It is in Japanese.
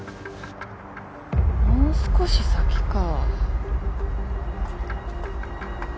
もう少し先か。